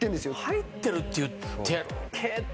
入ってるって言ってるけど。